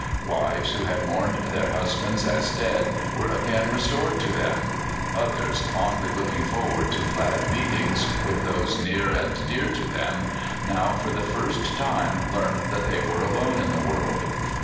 Wives who had mourned their husbands as dead were again restored to them; others, fondly looking forward to glad meetings with those near and dear to them, now for the first time learnt that they were alone in the world.